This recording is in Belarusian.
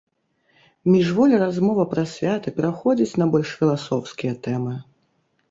Міжволі размова пра свята пераходзіць на больш філасофскія тэмы.